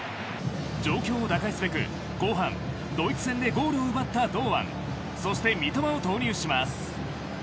状況を打開すべく、後半ドイツ戦でゴールを奪った堂安そして三笘を投入します。